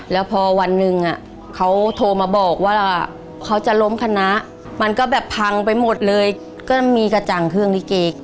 แล้วพอวันหนึ่งเขาโทรมาบอกว่าเขาจะล้มคณะมันก็แบบพังไปหมดเลยก็มีกระจ่างเครื่องลิเก